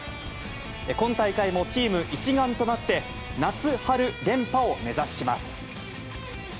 今大会もチーム一丸となって、夏春連覇を目指します。